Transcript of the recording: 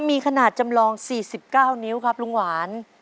มีขนาดจำลอง๔๙นิ้วครับลุงหวาน